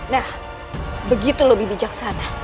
nah begitu lebih bijaksana